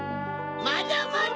まだまだ！